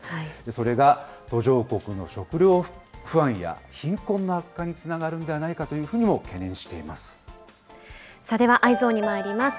それが途上国の食糧不安や貧困の悪化につながるのではないかと懸では、Ｅｙｅｓｏｎにまいります。